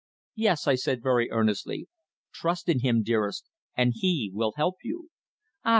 "Yes," I said very earnestly. "Trust in Him, dearest, and He will help you." "Ah!"